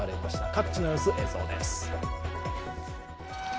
各地の様子、映像です。